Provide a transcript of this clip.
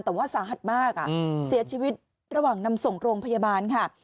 แต่ว่าสาหัสมากเสียชีวิตระหว่างนำส่งโรงพยาบาลค่ะ